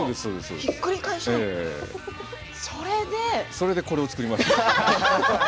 それでこれを作りました。